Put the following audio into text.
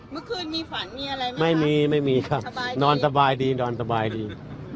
เมื่อคืนมีฝันมีอะไรไหมไม่มีไม่มีครับนอนสบายดีนอนสบายดี